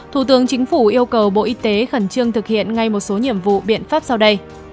thủ tướng chính phủ yêu cầu bộ y tế khẩn trương thực hiện ngay một số nhiệm vụ biện pháp sau đây